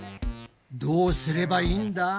どうすればいいんだ？